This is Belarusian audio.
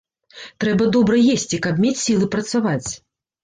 Трэба добра есці, каб мець сілы працаваць.